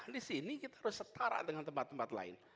disini kita harus setara dengan tempat tempat lain